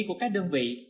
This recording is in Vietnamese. của các đơn vị